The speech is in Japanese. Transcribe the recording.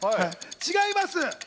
違います！